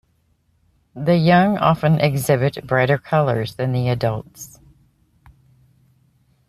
The young often exhibit brighter colors than the adults.